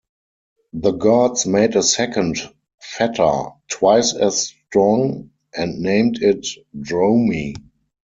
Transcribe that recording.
The gods made a second fetter, twice as strong, and named it Dromi.